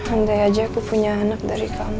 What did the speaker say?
andai aja aku punya anak dari kamu